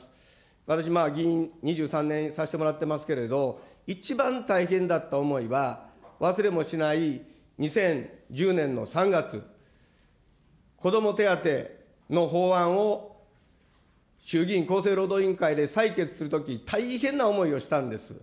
私、議員、２３年させてもらってますけれど、一番大変だった思いは、忘れもしない２０１０年の３月、子ども手当の法案を、衆議院厚生労働委員会で採決するとき、大変な思いしたんです。